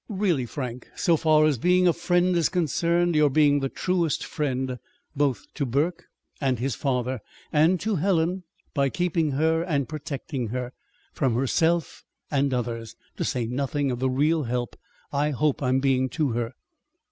Really, Frank, so far as being a friend is concerned, you're being the truest friend, both to Burke and his father, and to Helen, by keeping her and protecting her from herself and others to say nothing of the real help I hope I'm being to her."